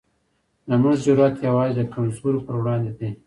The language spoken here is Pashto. زموږ جرئت یوازې د کمزورو پر وړاندې دی.